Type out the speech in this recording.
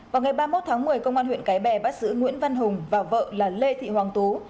vào ngày ba mươi một tháng một mươi công an huyện cái bè bắt giữ nguyễn văn hùng và vợ là lê thị hoàng tú